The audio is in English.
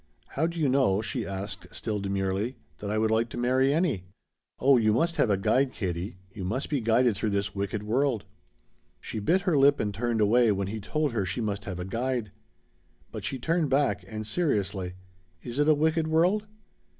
"How do you know," she asked, still demurely, "that I would like to marry any?" "Oh you must have a guide, Katie. You must be guided through this wicked world." She bit her lip and turned away when he told her she must have a guide. But she turned back, and seriously. "Is it a wicked world?"